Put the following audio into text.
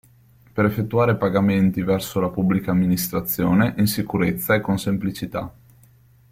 Per effettuare pagamenti verso la Pubblica Amministrazione in sicurezza e con semplicità.